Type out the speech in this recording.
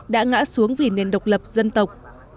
đã ngã xuống vì nền độc lập dân tộc